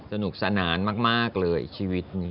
สนุกสนานมากเลยชีวิตนี้